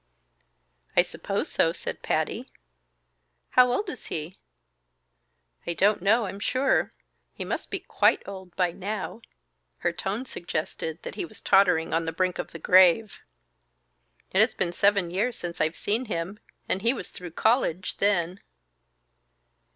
"I suppose so," said Patty. "How old is he?" "I don't know, I'm sure. He must be quite old by now." (Her tone suggested that he was tottering on the brink of the grave.) "It has been seven years since I've seen him, and he was through college then."